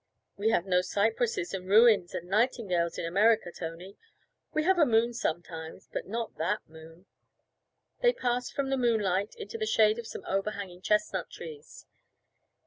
'We have no cypresses and ruins and nightingales in America, Tony. We have a moon sometimes, but not that moon.' They passed from the moonlight into the shade of some overhanging chestnut trees.